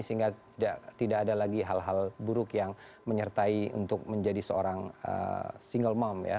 sehingga tidak ada lagi hal hal buruk yang menyertai untuk menjadi seorang single mom ya